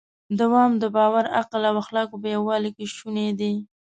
دوام د باور، عقل او اخلاقو په یووالي کې شونی دی.